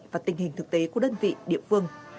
và tình hình thực tế của đơn vị địa phương